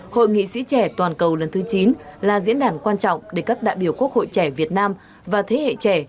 hội nghị sĩ trẻ toàn cầu lần thứ chín là diễn đàn quan trọng để các đại biểu quốc hội trẻ việt nam và thế hệ trẻ